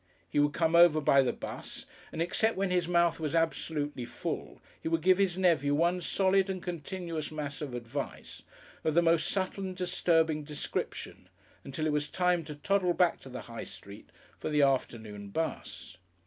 He would come over by the 'bus, and except when his mouth was absolutely full, he would give his nephew one solid and continuous mass of advice of the most subtle and disturbing description, until it was time to toddle back to the High Street for the afternoon 'bus.